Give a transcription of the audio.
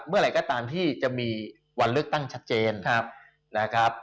เมื่อไหร่ก็ตามที่จะมีวันเลือกตั้งชัดเจนนะครับ